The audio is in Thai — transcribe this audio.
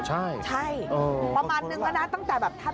ใช่ประมาณนึงเหมือนกันนะ